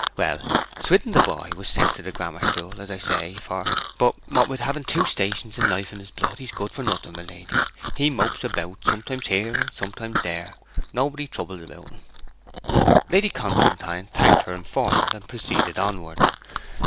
Well, Swithin, the boy, was sent to the grammar school, as I say for; but what with having two stations of life in his blood he's good for nothing, my lady. He mopes about sometimes here, and sometimes there; nobody troubles about en.' Lady Constantine thanked her informant, and proceeded onward.